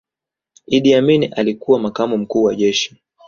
iddi amin alikuwa makamu mkuu wa jeshi